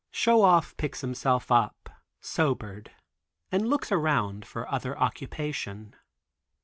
Show Off picks himself up sobered and looks around for other occupation.